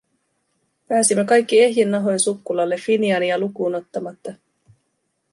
Pääsimme kaikki ehjin nahoin sukkulalle Finiania lukuun ottamatta.